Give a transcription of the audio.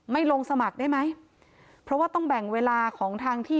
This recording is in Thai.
ลงสมัครได้ไหมเพราะว่าต้องแบ่งเวลาของทางที่